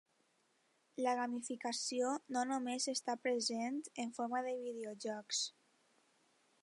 La gamificació no només està present en forma de videojocs.